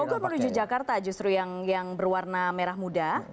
bogor menuju jakarta justru yang berwarna merah muda